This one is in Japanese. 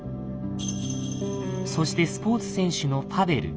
そしてスポーツ選手のパヴェル。